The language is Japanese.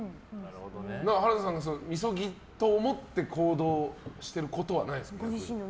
原田さん、みそぎと思って行動してることはないですか？